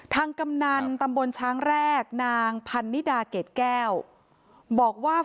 กำนันตำบลช้างแรกนางพันนิดาเกรดแก้วบอกว่า